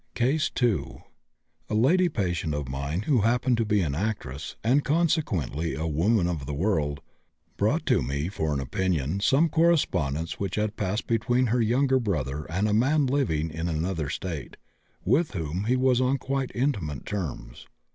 CASE II. A lady patient of mine who happened to be an actress, and consequently a woman of the world, brought to me for an opinion some correspondence which had passed between her younger brother and a man living in another State, with whom he was on quite intimate terms.